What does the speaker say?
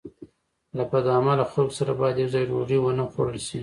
له بد عمله خلکو سره باید یوځای ډوډۍ ونه خوړل شي.